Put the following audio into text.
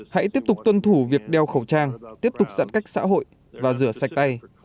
hãy tiếp tục tuân thủ việc đeo khẩu trang tiếp tục giãn cách xã hội và rửa sạch tay